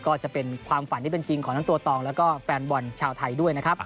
ก็จะเป็นความฝันที่เป็นจริงของทั้งตัวตองแล้วก็แฟนบอลชาวไทยด้วยนะครับ